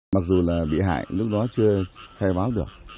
mặc dù là bị hại lúc đó chưa khai báo được